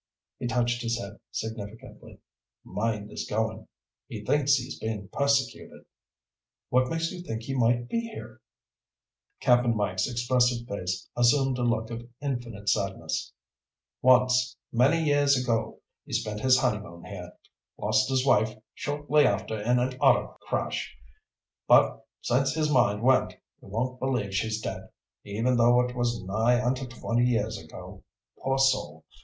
He touched his head significantly. "Mind is going. He thinks he's being persecuted." "What makes you think he might be here?" Cap'n Mike's expressive face assumed a look of infinite sadness. "Once, many years ago, he spent his honeymoon here. Lost his wife shortly after in an auto crash, but since his mind went he won't believe she's dead. Even though it was nigh onto twenty years ago. Poor soul.